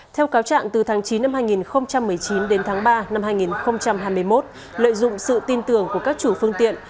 theo cáo trạng từ tháng chín năm hai nghìn một mươi chín đến tháng ba năm hai nghìn hai mươi một lợi dụng sự tin tưởng của các chủ phương tiện